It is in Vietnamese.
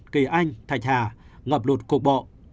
kỳ anh thạch hà ngập lụt cục bộ